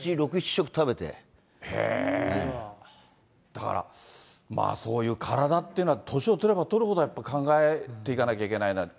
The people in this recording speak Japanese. だから、そういう体っていうのは、年を取れば取るほどやっぱり考えていかなきゃいけないな。